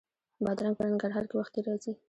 بادرنګ په ننګرهار کې وختي راځي